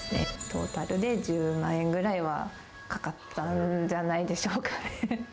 トータルで１０万円ぐらいはかかったんじゃないでしょうかね。